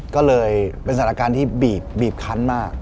ก็เลยเป็นสถานการณ์ที่บีบคันมาก